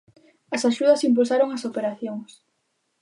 As axudas impulsaron as operacións.